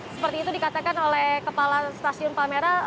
seperti itu dikatakan oleh kepala stasiun palmera